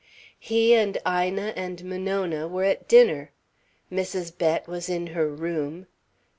He and Ina and Monona were at dinner. Mrs. Bett was in her room.